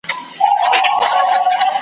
پر دنیا باندي اسمان به رانړیږي .